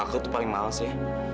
aku tuh paling males ya